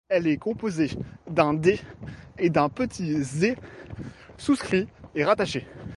Elle est composée d’un dé et d’un petit zé souscrit et rattaché.